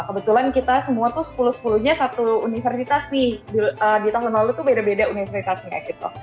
kebetulan kita semua tuh sepuluh sepuluh nya satu universitas nih di tahun lalu tuh beda beda universitasnya gitu